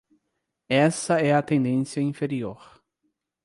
Essa é a tendência inferior.